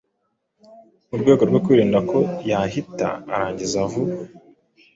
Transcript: mu rwego rwo kwirinda ko yahita arangiza vuba.